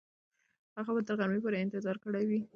هغه به تر غرمې پورې انتظار کړی وي.